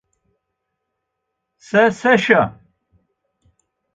Se sêşe.